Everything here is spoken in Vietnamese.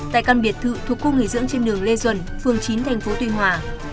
tại căn biệt thự thuộc khu nghỉ dưỡng trên đường lê duẩn phường chín tp tuy hòa